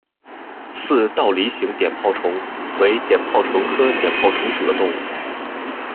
似倒梨形碘泡虫为碘泡科碘泡虫属的动物。